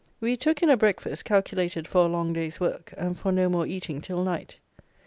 We took in a breakfast, calculated for a long day's work, and for no more eating till night.